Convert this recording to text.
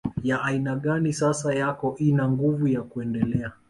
ya aina gani sasa yako ina nguvu ya kuendelea